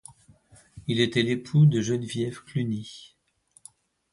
Il était l'époux de Geneviève Cluny.